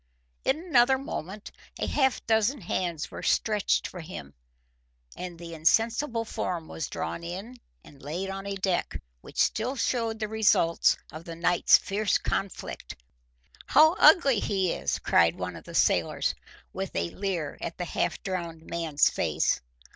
In another moment a half dozen hands were stretched for him, and the insensible form was drawn in and laid on a deck which still showed the results of the night's fierce conflict with the waters. "Damn it! how ugly he is!" cried one of the sailors, with a leer at the half drowned man's face.